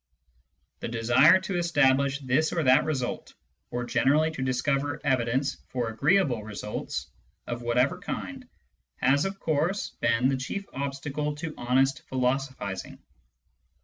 The desire to establish this or that result, or generally to discover evidence for agreeable results, of whatever kind, has of course been the chief obstacle to honest philosophising.